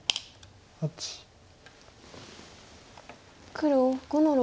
黒５の六。